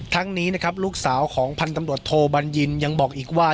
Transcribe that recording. ทั้งนี้ลูกสาวของพันธ์ตำรวจโทบรรยินยังบอกอีกว่า